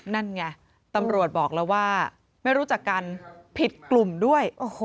นั่นไงตำรวจบอกแล้วว่าไม่รู้จักกันผิดกลุ่มด้วย